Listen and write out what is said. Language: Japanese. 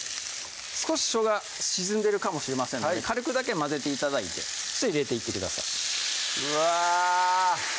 少ししょうが沈んでるかもしれませんので軽くだけ混ぜて頂いて入れていってくださいうわ！